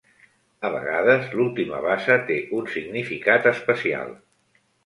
A vegades l'última basa té un significat especial.